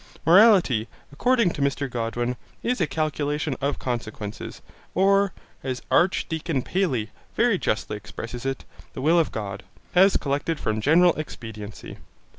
Morality, according to Mr Godwin, is a calculation of consequences, or, as Archdeacon Paley very justly expresses it, the will of God, as collected from general expediency.